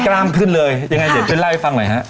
กล้ามขึ้นเลยยังไงเดี๋ยวไปเล่าให้ฟังหน่อยฮะ